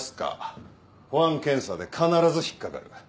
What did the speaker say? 保安検査で必ず引っ掛かる。